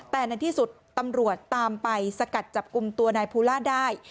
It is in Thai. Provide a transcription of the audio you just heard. แต่ในที่สุดตำรวจตามไปสกัดจับกลุ่มตัวนายภูล่าได้